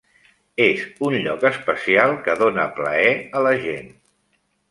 És un lloc especial que dona plaer a la gent.